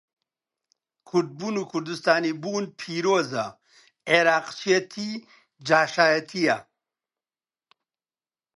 کوردبوون و کوردستانی بوون پیرۆزە، عێڕاقچێتی جاشایەتییە.